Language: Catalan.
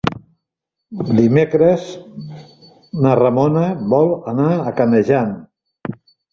Dimecres na Ramona vol anar a Canejan.